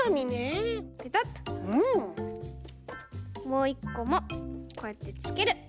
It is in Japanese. もういっこもこうやってつける。